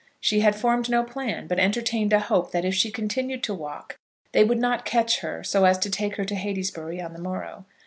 She had formed no plan, but entertained a hope that if she continued to walk they would not catch her so as to take her to Heytesbury on the morrow.